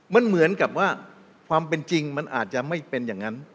มันเหมือนกับว่าความเป็นจริงมันอาจจะไม่เป็นอย่างนั้น